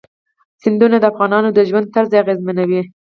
سیندونه د افغانانو د ژوند طرز اغېزمنوي.